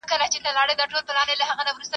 ملتونه چیري د پوهني حق غوښتنه کوي؟